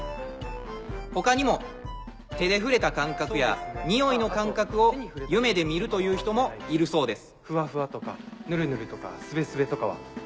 他にも手で触れた感覚やにおいの感覚を夢で見るという人もいるそうです。